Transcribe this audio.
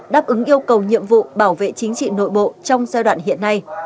đáp ứng yêu cầu nhiệm vụ bảo vệ chính trị nội bộ trong giai đoạn hiện nay